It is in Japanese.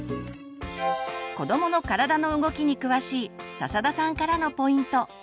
子どもの体の動きに詳しい笹田さんからのポイント。